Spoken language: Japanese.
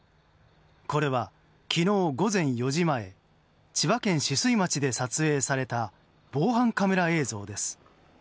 これは、昨日午前４時前千葉県酒々井町で撮影された防犯カメラ映像です。